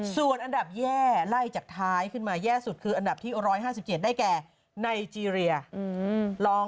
ส่วนอันดับแย่ไล่จากท้ายขึ้นมาแย่สุดคืออันดับที่๑๕๗ได้แก่ไนเจรีย